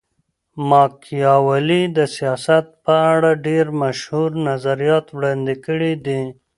ماکیاولي د سیاست په اړه ډېر مشهور نظریات وړاندي کړي دي.